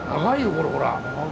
これほら。